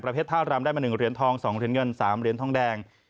ท่ารำได้มา๑เหรียญทอง๒เหรียญเงิน๓เหรียญทองแดง